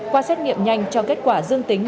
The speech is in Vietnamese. qua xét nghiệm nhanh cho kết quả dương tính